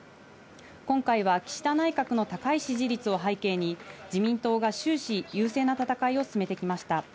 今回は岸田内閣の高い支持率を背景に、自民党が終始優勢な戦いを進めてきました。